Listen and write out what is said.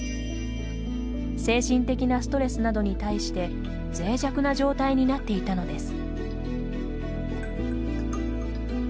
精神的なストレスなどに対してぜい弱な状態になっていたのです。